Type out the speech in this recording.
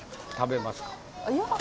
いや。